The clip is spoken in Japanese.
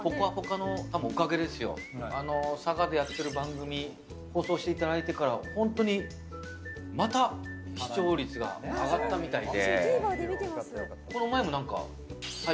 佐賀でやってる番組を放送していただいてから本当にまた視聴率が上がったみたいで。